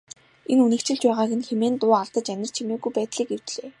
Энэ үнэгчилж байгааг нь хэмээн дуу алдаж анир чимээгүй байдлыг эвдлээ.